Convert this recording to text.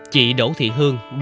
chị đỗ thị hương